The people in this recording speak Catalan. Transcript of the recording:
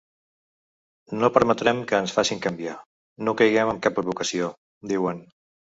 No permetem que ens facin canviar, no caiguem en cap provocació, diuen.